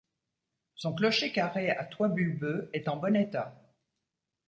Son clocher carré à toit bulbeux, est en bon état.